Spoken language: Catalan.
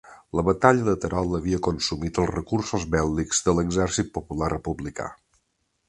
La batalla de Terol havia consumit els recursos bèl·lics de l'Exèrcit Popular Republicà.